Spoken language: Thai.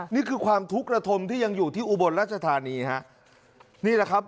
นี่คือความทุกข์ระทมที่ยังอยู่ที่อุบลราชธานีฮะนี่แหละครับ